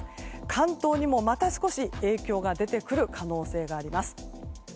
関東にもまた少し影響が出てくる可能性があります。